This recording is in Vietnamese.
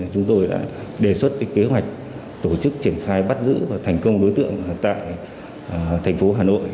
chúng tôi đã đề xuất kế hoạch tổ chức triển khai bắt giữ và thành công đối tượng tại thành phố hà nội